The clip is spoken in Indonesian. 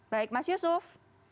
baik mas yusuf